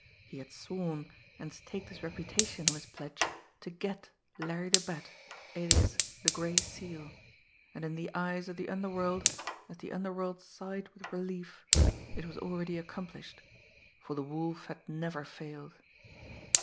He had sworn, and staked his reputation on his pledge, to "get" Larry the Bat, alias the Gray Seal and in the eyes of the underworld, as the underworld sighed with relief, it was already accomplished, for the Wolf had never failed.